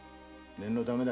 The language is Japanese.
念のためだ。